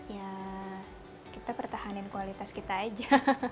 ya kita pertahanin kualitas kita aja